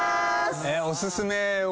お薦めを。